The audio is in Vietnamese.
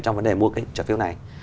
trong vấn đề mua cái trợ phiếu này